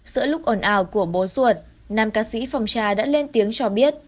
giữa lúc ồn ào của bố ruột nam ca sĩ phòng trà đã lên tiếng cho biết